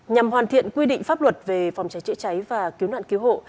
nhằm hoàn thiện quy định pháp luật về phòng cháy chữa cháy và cứu nạn cứu hộ